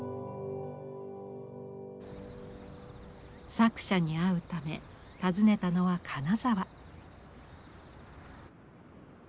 作者に会うため訪ねたのは金沢。